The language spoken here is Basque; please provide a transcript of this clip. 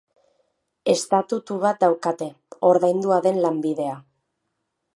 Estatutu bat daukate, ordaindua den lanbidea.